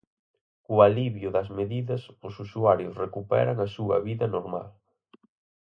Co alivio das medidas, os usuarios recuperan a súa vida normal.